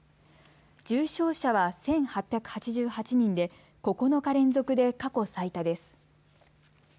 重症者は１８８８人で９日連続で過去最多です。